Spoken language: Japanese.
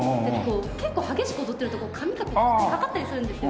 結構激しく踊ってると髪が顔にかかったりするんですよ。